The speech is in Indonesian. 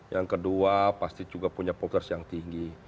yang kedua pasti juga punya popularitas yang tinggi